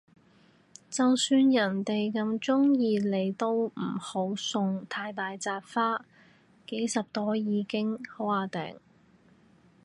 就算人哋哽鍾意你都唔好送太大紮花，幾十朵已經好椏掟